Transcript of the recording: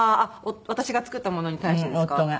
私が作ったものに対してですか？